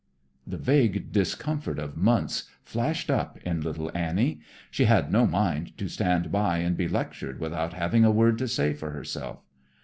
The vague discomfort of months flashed up in little Annie. She had no mind to stand by and be lectured without having a word to say for herself.